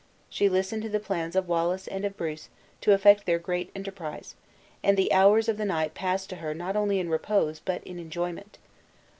She listened to the plans of Wallace and of Bruce to effect their great enterprise, and the hours of the night passed to her not only in repose, but in enjoyment.